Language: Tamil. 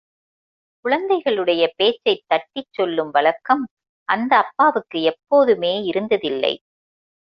குழந்தைகளுடைய பேச்சைத் தட்டிச் சொல்லும் வழக்கம் அந்த அப்பாவுக்கு எப்போதுமே இருந்ததில்லை.